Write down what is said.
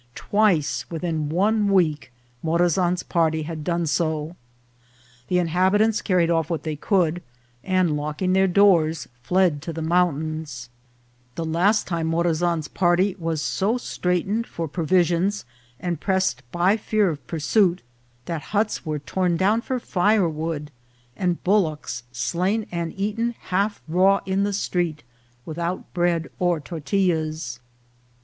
Twice within one week Morazan's party had done so ; the inhabitants carried off what they could, and, locking their doors, fled to the mountains. The last time, Morazan's army was so straitened for provis ions, and pressed by fear of pursuit, that huts were torn APPR<ACH TO GUATIMALA. 105 down for firewood, and bullocks slain and eaten half raw in the street, without bread or tortillas.